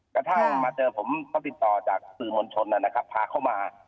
กระทั่งมาเจอผมก็ติดต่อจากสื่อมวลชนนะครับพาเข้ามา